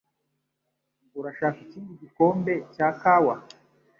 Urashaka ikindi gikombe cya kawa?